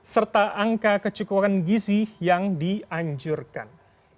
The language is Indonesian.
serta angka kecukupan gizi yang dianjurkan